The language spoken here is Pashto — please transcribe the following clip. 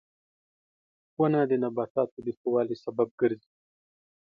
• ونه د نباتاتو د ښه والي سبب ګرځي.